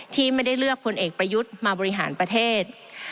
ที่ไม่ได้เลือกพลเอกประยุทธ์มาบริหารประเทศ